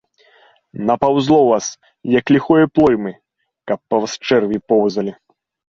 Напаўзло вас, як ліхое плоймы, каб па вас чэрві поўзалі.